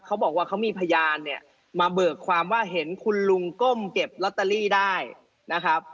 เขาบอกว่าเขามีพยานเนี่ยมาเบิกความว่าเห็นคุณลุงก้มเก็บลอตเตอรี่ได้นะครับ